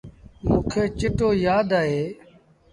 موݩ کي چتو يآد اهي۔